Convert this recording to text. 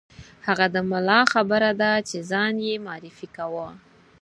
هغه د ملا خبره ده چې ځان یې معرفي کاوه.